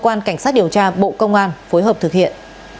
cơ quan cảnh sát điều tra bộ công an phối hợp thực hiện